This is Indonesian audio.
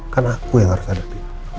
kan aku yang harus hadapi